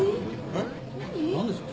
えっなんですか？